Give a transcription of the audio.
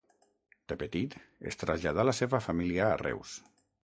De petit es traslladà la seva família a Reus.